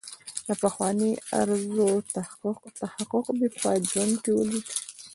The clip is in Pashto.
د پخوانۍ ارزو تحقق مې په ژوند کې ولید.